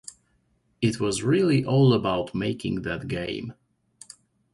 It was really all about making that game.